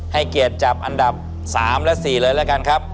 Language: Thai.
ให้เกียรติจับอันดับ๓และ๔เลยแล้วกันครับ